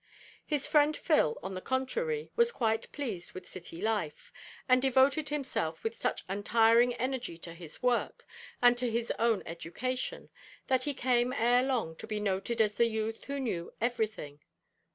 His friend Phil, on the contrary, was quite pleased with city life, and devoted himself with such untiring energy to his work, and to his own education, that he came ere long to be noted as the youth who knew everything.